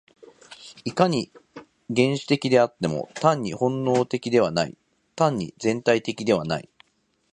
いかに原始的であっても、単に本能的ではない、単に全体的ではない。